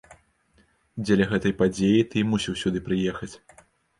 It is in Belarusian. Дзеля гэтай падзеі ты і мусіў сюды прыехаць.